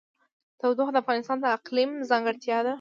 تودوخه د افغانستان د اقلیم ځانګړتیا ده.